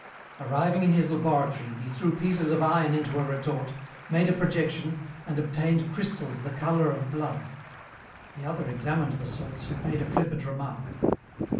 Arriving in his laboratory, he threw pieces of iron into a retort, made a projection, and obtained crystals the colour of blood. The other examined the salts and made a flippant remark.